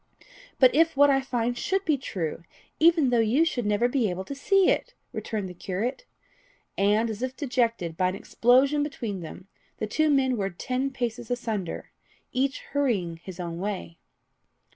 "But if what I find should be true, even though you should never be able to see it!" returned the curate. And as if disjected by an explosion between them, the two men were ten paces asunder, each hurrying his own way.